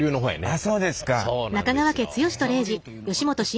あそうですか。